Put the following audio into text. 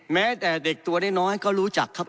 แม้แต่เด็กตัวน้อยเขารู้จักครับ